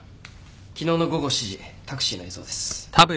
昨日の午後７時タクシーの映像です。